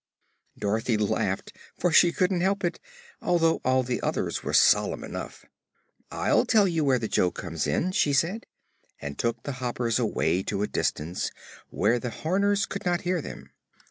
'" Dorothy laughed, for she couldn't help it, although all the others were solemn enough. "I'll tell you where the joke comes in," she said, and took the Hoppers away to a distance, where the Horners could not hear them.